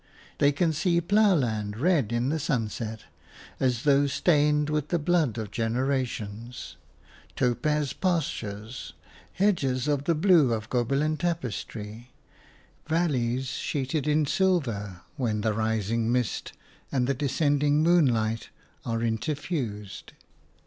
They can see ploughland red in the sunset, as though stained with the blood of generations; topaz pastures; hedges of the blue of Gobelin tapestry; valleys sheeted in silver, when the rising mist and the descending moonlight are interfused.